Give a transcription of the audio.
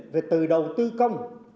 về từ đầu tư công